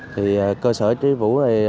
thì cơ sở tri vũ